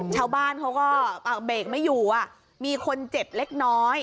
ชาวบ้านเขาก็เบรกไม่อยู่มีคนเจ็บเล็กน้อย